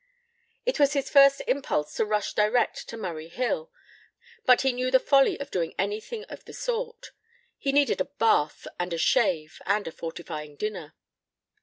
It was his first impulse to rush direct to Murray Hill, but he knew the folly of doing anything of the sort. He needed a bath and a shave and a fortifying dinner.